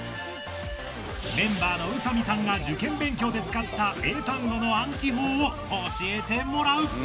メンバーの宇佐見さんが受験勉強で使った英単語の暗記法を教えてもらう！